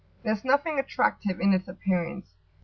There is nothing attractive in its appearance.